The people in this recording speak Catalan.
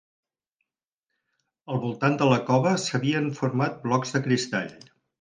Al voltant de la cova s'havien format blocs de cristall.